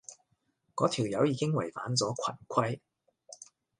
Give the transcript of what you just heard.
嗰條友已經違反咗群規